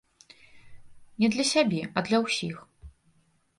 Не для сябе, а для ўсіх.